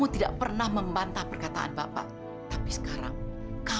udah sana pergi pergi